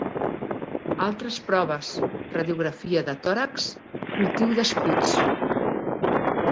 Altres proves: radiografia de tòrax, cultiu d'esputs.